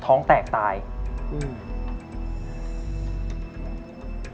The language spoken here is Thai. ก็ไม่มีหายคัน